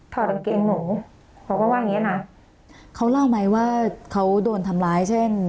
ถอดกางเกงหนูเขาก็ว่าอย่างเงี้นะเขาเล่าไหมว่าเขาโดนทำร้ายเช่น